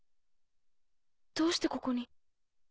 どうしてここに。